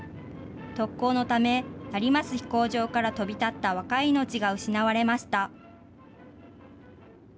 特攻のため、成増飛行場から飛び立った若い命が失われました。